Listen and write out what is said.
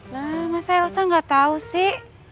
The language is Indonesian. nah masa elsa gak tau sih